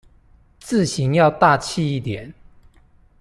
字型要大器一點